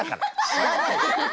知らないでしょ？